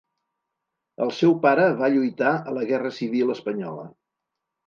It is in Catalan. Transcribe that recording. El seu pare va lluitar a la Guerra Civil Espanyola.